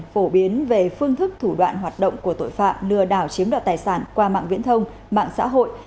phổ biến về phương thức thủ đoạn hoạt động của tội phạm lừa đảo chiếm đoạt tài sản qua mạng viễn thông mạng xã hội